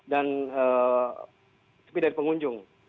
dan sepi dari pengunjung